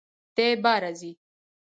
دی باره ځي!